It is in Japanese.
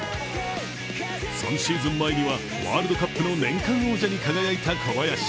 ３シーズン前には、ワールドカップの年間王者に輝いた小林。